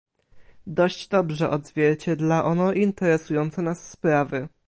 Dość dobrze odzwierciedla ono interesujące nas sprawy